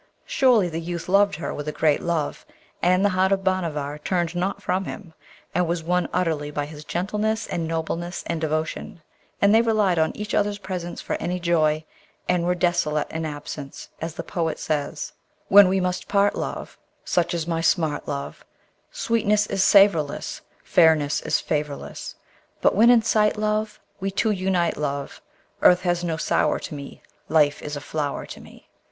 Surely the youth loved her with a great love, and the heart of Bhanavar turned not from him, and was won utterly by his gentleness and nobleness and devotion; and they relied on each other's presence for any joy, and were desolate in absence, as the poet says: When we must part, love, Such is my smart, love, Sweetness is savourless, Fairness is favourless! But when in sight, love, We two unite, love, Earth has no sour to me; Life is a flower to me!